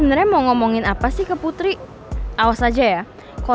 nah aku mau beritahu kamu